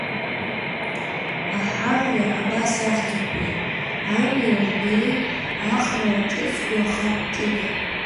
Аҳарҩа абас ахьӡуп уи, амҩа урбаны ахра уаҿызго ахаҳә ҷыда.